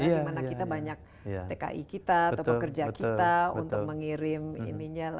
di mana kita banyak tki kita pekerja kita untuk mengirim gajinya dan remittance nya